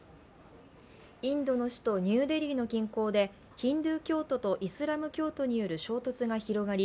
インドの首都ニューデリーの近郊でヒンズー教徒よイスラム教徒による衝突が広がり